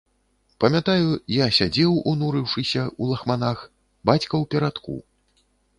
Памятаю, я сядзеў унурыўшыся, у лахманах, бацька ў перадку.